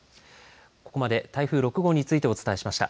ここまで台風６号についてお伝えしました。